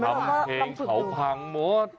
ทำเพลงเขาพังหมด